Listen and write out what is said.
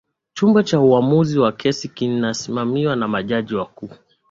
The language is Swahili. chumba cha uamuzi wa kesi kinasimamiwa na majaji wakuu